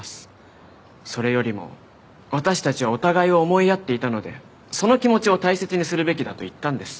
それよりも私たちはお互いを思い合っていたのでその気持ちを大切にするべきだと言ったんです。